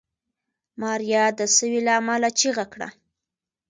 ماريا د سوي له امله چيغه کړه.